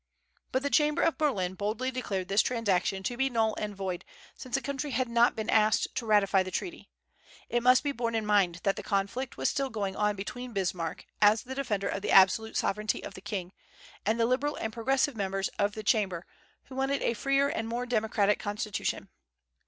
But the Chamber of Berlin boldly declared this transaction to be null and void, since the country had not been asked to ratify the treaty. It must be borne in mind that the conflict was still going on between Bismarck, as the defender of the absolute sovereignty of the king, and the liberal and progressive members of the Chamber, who wanted a freer and more democratic constitution.